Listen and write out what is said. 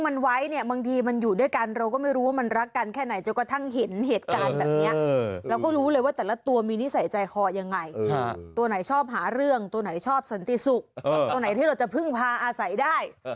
ตัวไหนชอบสันติสุกตัวไหนที่เราจะพึ่งพาอาศัยได้